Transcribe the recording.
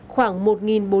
khoảng một bốn trăm linh đồng